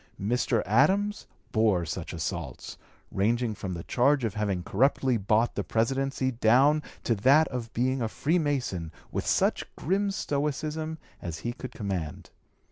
Mr. Adams bore such assaults, ranging from the charge of having corruptly bought the Presidency down to that of being a Freemason with such grim stoicism as he could command.